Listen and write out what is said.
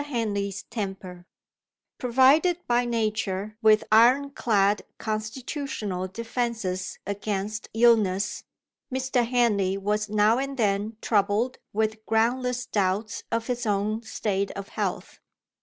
HENLEY'S TEMPER PROVIDED by nature with ironclad constitutional defences against illness, Mr. Henley was now and then troubled with groundless doubts of his own state of health.